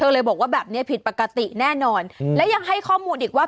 เลยบอกว่าแบบนี้ผิดปกติแน่นอนและยังให้ข้อมูลอีกว่า